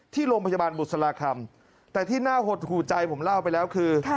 ที่โรงพยาบาลบุษราคำแต่ที่น่าหดหูใจผมเล่าไปแล้วคือ